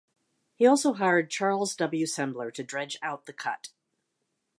He also hired Charles W. Sembler to dredge out the cut.